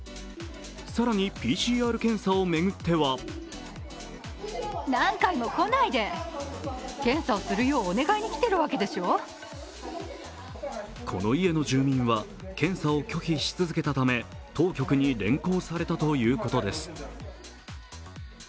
更にＰＣＲ検査を巡ってはこの家の住民は検査を拒否し続けたため当局に連行されたということです。